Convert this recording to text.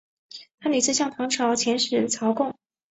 他屡次向唐朝遣使朝贡。